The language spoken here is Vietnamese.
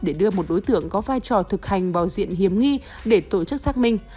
để đưa một đối tượng có vai trò thực hành vào diện hiếm nghi để tổ chức xác minh